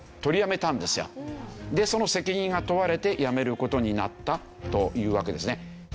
でその責任が問われて辞める事になったというわけですね。